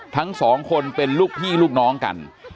ทั้งสองคนเป็นลูกพี่ลูกน้องกัน